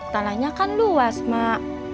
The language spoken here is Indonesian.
tanahnya kan luas mak